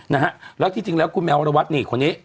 นะฮะแล้วที่จริงแล้วคุณแมวรวัตรนี่คนนี้